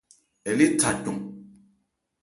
Ɛ lé tha cɔn.